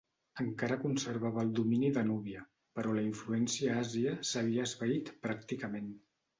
Encara conservava el domini de Núbia però la influència a Àsia s'havia esvaït pràcticament.